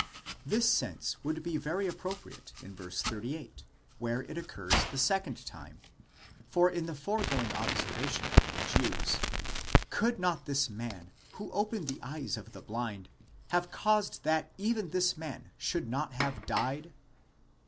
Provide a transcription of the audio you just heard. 'This sense would be very appropriate in v. 38, where it occurs the second time; for in the foregoing observation of the Jews, Could not this man, who opened the eyes of the blind, have caused that even this man should not have died?